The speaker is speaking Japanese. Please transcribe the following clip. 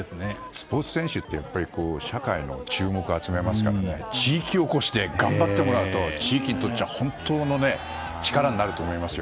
スポーツ選手って社会の注目を集めますから地域おこしで頑張ってもらうと地域にとっては本当の力になると思いますよ。